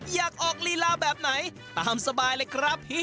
อยากออกลีลาแบบไหนตามสบายเลยครับพี่